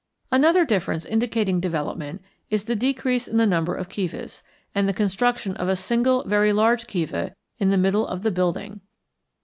Another difference indicating development is the decrease in the number of kivas, and the construction of a single very large kiva in the middle of the building.